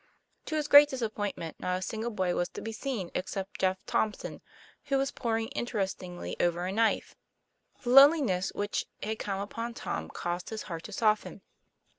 To his great disappointment not a single boy was to be seen except Jeff Thompson, who was por ing interestedly over a kite. The loneliness which had come upon Tom caused his heart to soften.